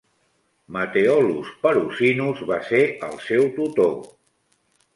Matheolus Perusinus va ser el seu tutor.